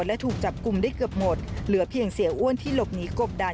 และถูกจับกลุ่มได้เกือบหมดเหลือเพียงเสียอ้วนที่หลบหนีกบดัน